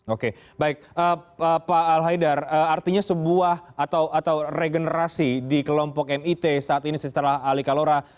oke baik pak al haidar artinya sebuah atau regenerasi di kelompok mit saat ini setelah ali kalora